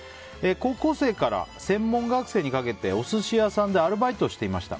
高校生から専門学生にかけてお寿司屋さんでアルバイトをしていました。